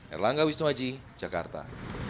erlangga wisnuwaji jakarta